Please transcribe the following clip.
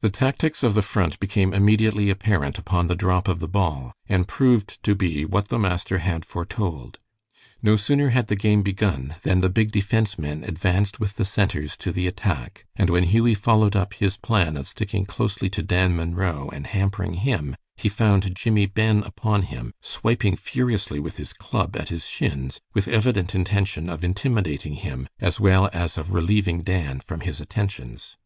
The tactics of the Front became immediately apparent upon the drop of the ball, and proved to be what the master had foretold. No sooner had the game begun than the big defense men advanced with the centers to the attack, and when Hughie followed up his plan of sticking closely to Dan Munro and hampering him, he found Jimmie Ben upon him, swiping furiously with his club at his shins, with evident intention of intimidating him, as well as of relieving Dan from his attentions.